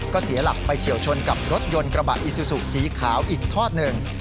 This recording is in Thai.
ก็เสียหลักไปเฉียวชนกับรถยนต์กระบะอิซูซูสีขาวอีกทอดหนึ่ง